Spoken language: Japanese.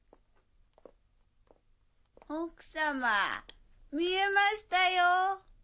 奥様みえましたよ。